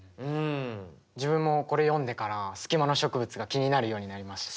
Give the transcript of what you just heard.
自分もこれ読んでからスキマの植物が気になるようになりました。